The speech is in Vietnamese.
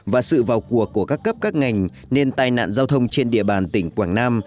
và sự vào cuộc của các cấp các ngành nên tai nạn giao thông trên địa bàn tỉnh quảng nam